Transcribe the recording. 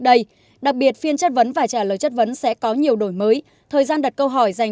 đây đặc biệt phiên chất vấn và trả lời chất vấn sẽ có nhiều đổi mới thời gian đặt câu hỏi dành